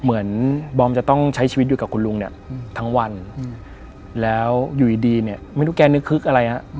เหมือนบอมจะต้องใช้ชีวิตอยู่กับคุณลุงเนี่ยทั้งวันแล้วอยู่ดีเนี่ยไม่รู้แกนึกคึกอะไรฮะ